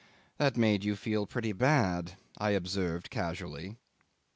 "That made you feel pretty bad," I observed casually.